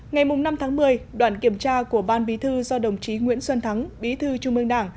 ngày năm tháng một mươi đoàn kiểm tra của ban bí thư do đồng chí nguyễn xuân thắng bí thư trung mương đảng